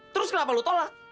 terus kenapa lo tolak